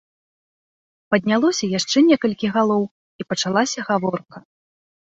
Паднялося яшчэ некалькі галоў, і пачалася гаворка.